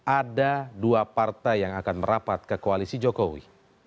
ada dua partai yang akan merapat ke koalisi jokowi